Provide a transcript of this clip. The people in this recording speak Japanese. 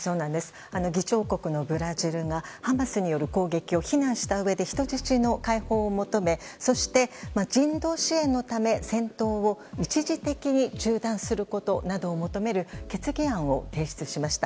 議長国のブラジルがハマスによる攻撃を非難したうえで人質の解放を求めそして、人道支援のため、戦闘を一時的に中断することなどを求める決議案を提出しました。